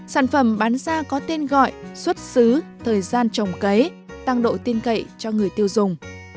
sản phẩm bán ra có tên gọi xuất xứ thời gian trồng cấy tăng độ tin cậy cho người tiêu dùng